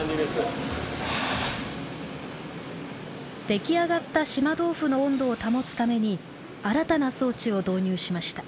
出来上がった島豆腐の温度を保つために新たな装置を導入しました。